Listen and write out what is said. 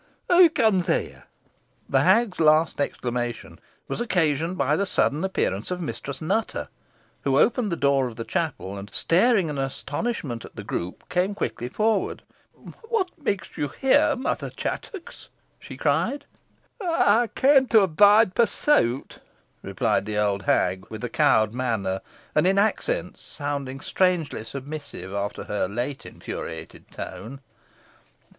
who comes here?" The hag's last exclamation was occasioned by the sudden appearance of Mistress Nutter, who opened the door of the chapel, and, staring in astonishment at the group, came quickly forward. "What makes you here, Mother Chattox?" she cried. "I came here to avoid pursuit," replied the old hag, with a cowed manner, and in accents sounding strangely submissive after her late infuriated tone.